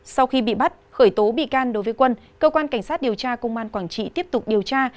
sau khi bị bắt khởi tố bị can đối với quân cơ quan cảnh sát điều tra công an quảng trị tiếp tục điều tra